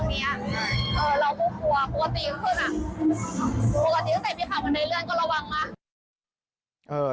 มีเหตุเรื่องบรรไนเลื่อนเยอะในช่วงนี้